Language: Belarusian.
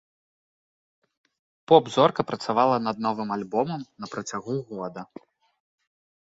Поп-зорка працавала над новым альбомам на працягу года.